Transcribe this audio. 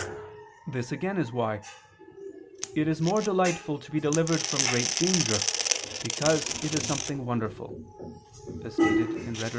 This again is why "it is more delightful to be delivered from great danger, because it is something wonderful," as stated in _Rhetor.